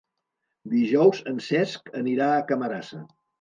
Dijous en Cesc anirà a Camarasa.